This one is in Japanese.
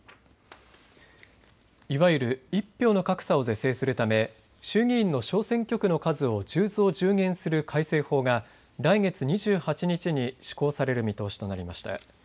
いわゆる１票の格差を是正するため衆議院の小選挙区の数を１０増１０減する改正法が来月２８日に施行される見通しとなりました。